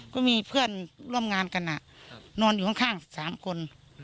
ก็มีเพื่อนร่วมงานกันนอนอยู่ข้าง๓คน